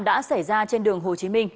đã xảy ra trên đường hồ chí minh